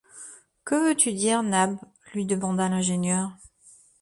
Que veux-tu dire, Nab? lui demanda l’ingénieur.